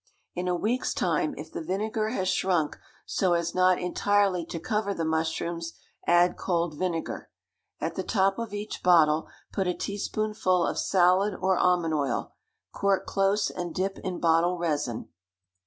In a week's time, if the vinegar has shrunk so as not entirely to cover the mushrooms, add cold vinegar. At the top of each bottle put a teaspoonful of salad or almond oil; cork close, and dip in bottle resin.